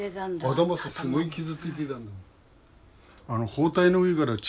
頭すごい傷ついてたもん。